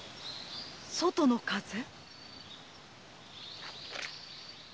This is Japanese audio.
「外の風」？